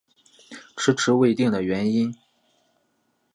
迟迟未定的原因